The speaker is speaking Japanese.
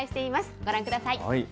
ご覧ください。